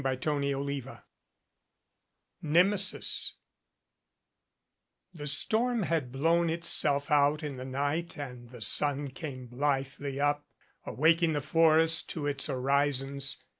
CHAPTER XXI NEMESIS THE storm had blown itself out in the night and the sun came blithely up, awaking the forest to its orisons.